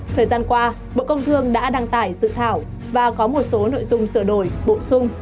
thời gian qua bộ công thương đã đăng tải dự thảo và có một số nội dung sửa đổi bổ sung